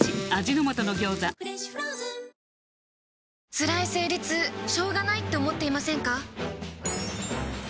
つらい生理痛しょうがないって思っていませんか？